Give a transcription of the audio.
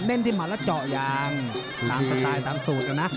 ที่หัดแล้วเจาะยางตามสไตล์ตามสูตรนะนะ